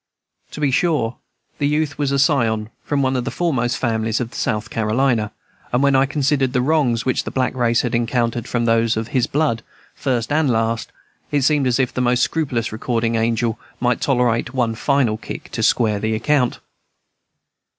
To be sure, the youth was a scion of one of the foremost families of South Carolina, and when I considered the wrongs which the black race had encountered from those of his blood, first and last, it seemed as if the most scrupulous Recording Angel might tolerate one final kick to square the account.